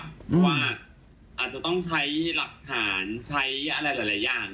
เพราะว่าอาจจะต้องใช้หลักฐานใช้อะไรหลายอย่าง